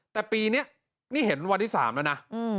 แต่ปีนี้นี่เห็นวันที่๓แล้วนะ